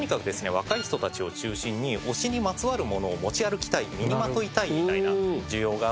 若い人たちを中心に推しにまつわるものを持ち歩きたい身にまといたいみたいな需要があって。